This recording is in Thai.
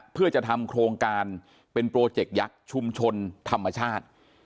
เพื่อจะทำโครงการเป็นโปรเจกต์ยักษ์ชุมชนธรรมชาติ